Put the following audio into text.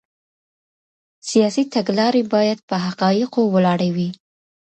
سیاسي تګلارې باید په حقایقو ولاړې وي.